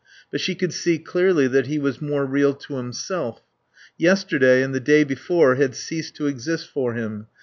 But she could see clearly that he was more real to himself. Yesterday and the day before had ceased to exist for him.